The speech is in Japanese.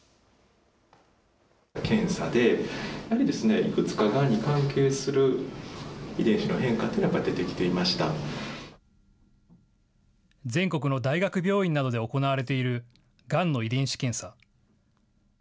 検査でやはりいくつかがんに関係する遺伝子の変化というのが全国の大学病院などで行われている、がんの遺伝子検査。